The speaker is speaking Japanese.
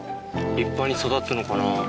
立派に育つのかな？